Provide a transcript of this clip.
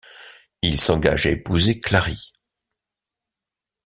Il s'engage à épouser Clari.